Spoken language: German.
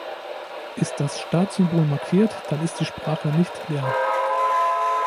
Ist das Startsymbol markiert, dann ist die Sprache nicht leer.